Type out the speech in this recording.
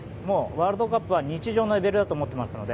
ワールドカップは日常のレベルだと思ってますので。